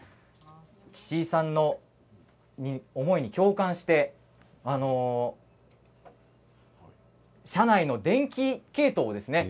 岸井さんの思いに共感して車内の電気系統ですね